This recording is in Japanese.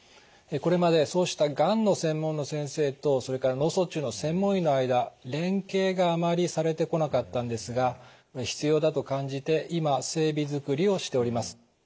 これまでそうしたがんの専門の先生とそれから脳卒中の専門医の間連携があまりされてこなかったんですが必要だと感じて今整備作りをしております。